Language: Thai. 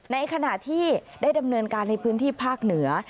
ในขณะที่ได้ดำเนินการในพื้นที่ภาคเหนือ